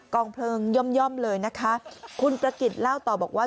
องเพลิงย่อมเลยนะคะคุณประกิจเล่าต่อบอกว่า